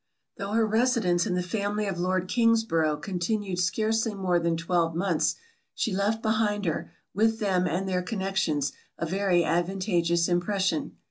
Though her residence in the family of lord Kingsborough continued scarcely more than twelve months, she left behind her, with them and their connections, a very advantageous impression.